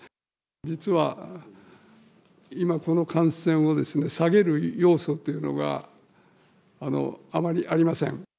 実は今、この感染を下げる要素っていうのが、あまりありません。